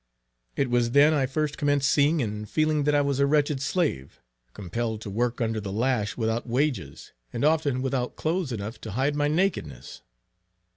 It was then I first commenced seeing and feeling that I was a wretched slave, compelled to work under the lash without wages, and often without clothes enough to hide my nakedness.